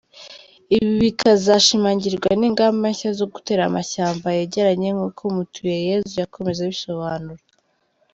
Ibi bikazashimangirwa n’ingamba nshya zo gutera amashyamba yegeranye nk’uko Mutuyeyezu yakomeje abisobanura.